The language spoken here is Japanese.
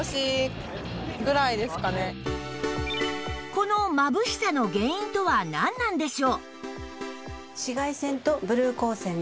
このまぶしさの原因とはなんなんでしょう？